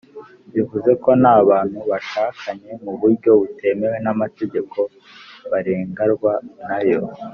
bivuze ko n’abantu bashakanye mu buryo butemewe n’amategeko barengerwa nayo.